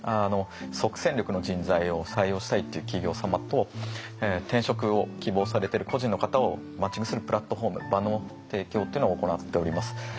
即戦力の人材を採用したいという企業様と転職を希望されている個人の方をマッチングするプラットフォーム場の提供っていうのを行っております。